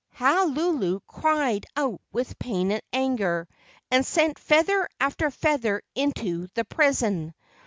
Halulu cried out with pain and anger, and sent feather after feather into the prison.